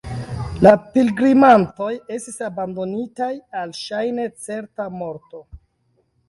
La pilgrimantoj estis abandonitaj al ŝajne certa morto.